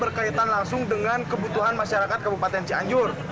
berkaitan langsung dengan kebutuhan masyarakat kabupaten cianjur